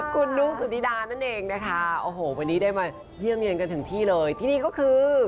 คุณลุงสุธิดานั่นเองนะคะโอ้โหวันนี้ได้มาเยี่ยมเย็นกันถึงที่เลยที่นี่ก็คือ